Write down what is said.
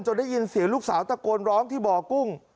ได้ยินเสียงลูกสาวตะโกนร้องที่บ่อกุ้ง